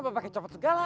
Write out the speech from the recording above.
kenapa pakai copot segala